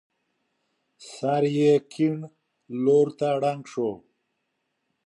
سر يې کيڼ لور ته ړنګ شو.